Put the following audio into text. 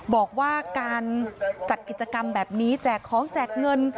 บอกว่าการจัดกิจกรรมแบบนี้แจกของแจกเงิน